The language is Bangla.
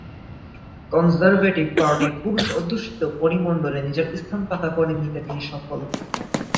কনজারভেটিভ পার্টির পুরুষ অধ্যুষিত পরিমণ্ডলে নিজের স্থান পাকা করে নিতে তিনি সফল হন।